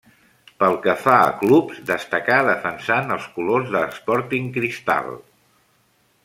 Pel que fa a clubs, destacà defensant els colors de Sporting Cristal.